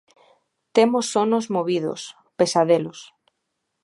Temos sonos movidos, pesadelos.